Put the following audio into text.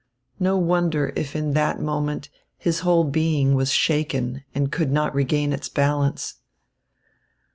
No wonder if in that moment his whole being was shaken and could not regain its balance.